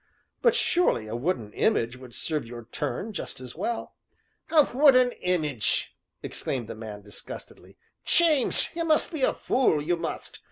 "But surely a wooden image would serve your turn just as well." "A wooden image!" exclaimed the man disgustedly. "James! you must be a fool, you must!